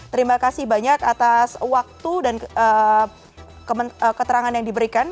terima kasih banyak atas waktu dan keterangan yang diberikan